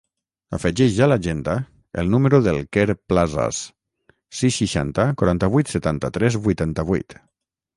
Afegeix a l'agenda el número del Quer Plazas: sis, seixanta, quaranta-vuit, setanta-tres, vuitanta-vuit.